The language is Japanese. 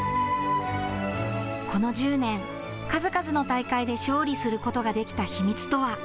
この１０年、数々の大会で勝利することができた秘密とは。